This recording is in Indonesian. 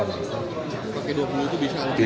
pakai dua puluh itu bisa lebih